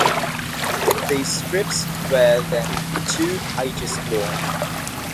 The strips were then two pages long.